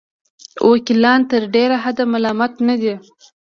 وکیلان تر ډېره حده ملامت نه دي.